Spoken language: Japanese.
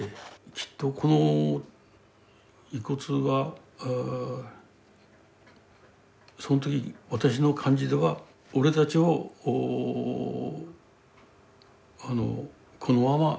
きっとこの遺骨はその時私の感じでは俺たちをこのまま見過ごすのか。